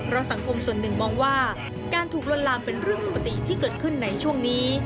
เพราะสังคมส่วนหนึ่งมองว่าการถูกลวนลามเป็นเรื่องปกติที่เกิดขึ้นในช่วงนี้